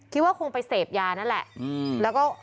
คิดว่าคงไปเสพยานั่นแหละ